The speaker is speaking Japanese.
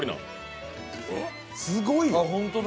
すごいわ。